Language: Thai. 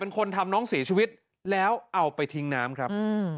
คนทำน้องเสียชีวิตแล้วเอาไปทิ้งน้ำครับ